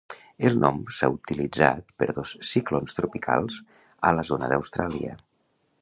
El nom s'ha utilitzat per dos ciclons tropicals a la zona d'Austràlia.